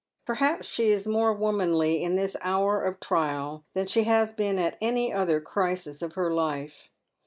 Perhaps she is more womanly in this hour of trial than she has been at any other crisis of her life.